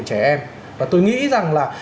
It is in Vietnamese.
trẻ em và tôi nghĩ rằng là